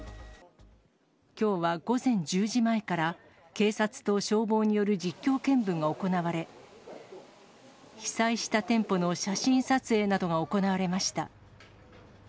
きょうは午前１０時前から、警察と消防による実況見分が行われ、被災した店舗の写真撮影などが行われました。